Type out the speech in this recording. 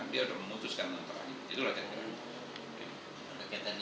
dia sudah memutuskan menentangnya